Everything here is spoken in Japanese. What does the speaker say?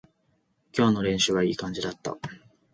今日の練習はいい感じだった